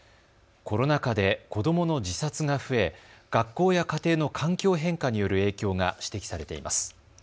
コロナ禍で子どもの自殺が増え学校や家庭の環境変化による影響が指摘されています。